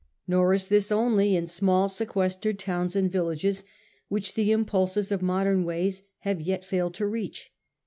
Nor is this only in small sequestered towns and villages which the impulses of modem ways have yet failed to reach.